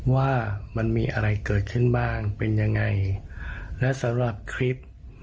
ว่ามันมีอะไรเกิดขึ้นบ้างเป็นยังไงและสำหรับคลิป